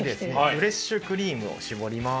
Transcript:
フレッシュクリームを絞ります。